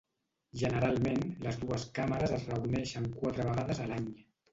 Generalment les dues càmeres es reuneixen quatre vegades a l'any.